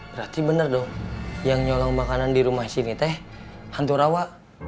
berarti benar dong yang nyolong makanan di rumah sini teh hantu rawa